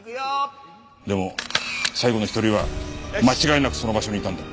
でも最後の１人は間違いなくその場所にいたんだ。